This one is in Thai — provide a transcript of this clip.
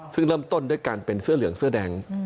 ซึ่งเริ่มต้นด้วยการเป็นเสื้อเหลืองเสื้อแดง